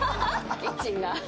キッチンが。